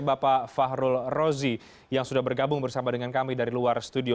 bapak fahrul rozi yang sudah bergabung bersama dengan kami dari luar studio